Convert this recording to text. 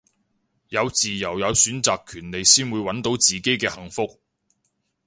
有自由有選擇權利先會搵到自己嘅幸福